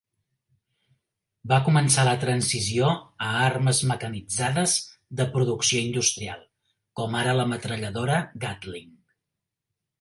Va començar la transició a armes mecanitzades de producció industrial, com ara la metralladora Gatling.